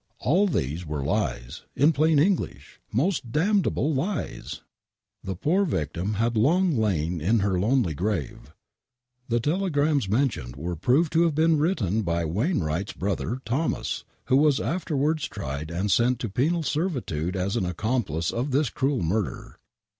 All these were lies — in plain English, most damnable lies. The poor victim had long lain in her lonely grave !! The telegrams mentioned were proved to have been written by Wainwright's brother, Thomas, who was afterwards tried and sent to penal servitude as an accomplice of this cruel murder.